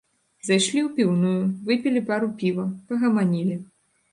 Зайшлі ў піўную, выпілі пару піва, пагаманілі.